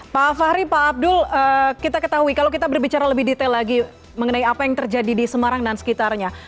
pak fahri pak abdul kita ketahui kalau kita berbicara lebih detail lagi mengenai apa yang terjadi di semarang dan sekitarnya